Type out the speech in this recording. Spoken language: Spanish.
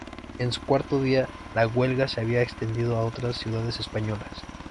En su cuarto día, la huelga se había extendido a otras ciudades españolas.